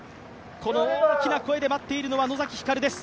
この大きな声で待っているのは野崎光です。